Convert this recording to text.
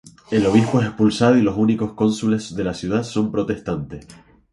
El obispo es expulsado y los únicos cónsules de la ciudad son protestantes.